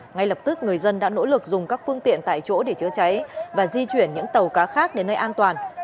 ngay lập tức người dân đã nỗ lực dùng các phương tiện tại chỗ để chữa cháy và di chuyển những tàu cá khác đến nơi an toàn